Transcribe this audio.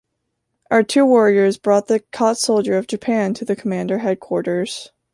Our two warriors brought the caught soldier of Japan to the commander headquarters.